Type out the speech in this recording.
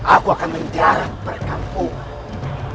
aku akan menjara perkampungan